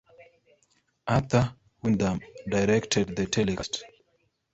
Arthur Wyndham directed the telecast.